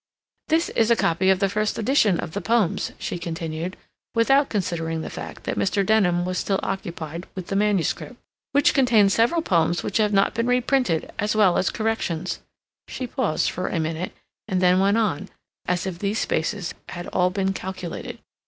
"This is a copy of the first edition of the poems," she continued, without considering the fact that Mr. Denham was still occupied with the manuscript, "which contains several poems that have not been reprinted, as well as corrections." She paused for a minute, and then went on, as if these spaces had all been calculated.